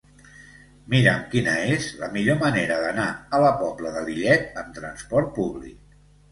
Mira'm quina és la millor manera d'anar a la Pobla de Lillet amb trasport públic.